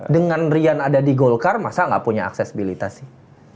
dengan rian ada di golkar masa nggak punya aksesibilitas sih